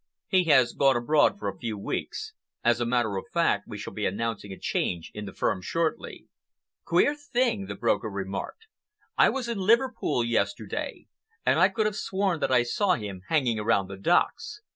"He has gone abroad for a few weeks. As a matter of fact, we shall be announcing a change in the firm shortly." "Queer thing," the broker remarked. "I was in Liverpool yesterday, and I could have sworn that I saw him hanging around the docks.